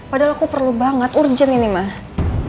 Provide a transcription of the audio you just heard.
padahal aku perlu banget urgent ini mah